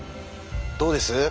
どうです？